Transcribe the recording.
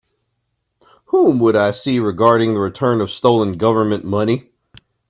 Whom would I see regarding the return of stolen Government money?